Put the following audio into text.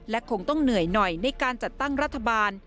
และคงต้องเหนื่อยหน่อยในการจัดตั้งรัฐบาล